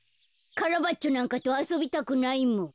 カラバッチョなんかとあそびたくないもん。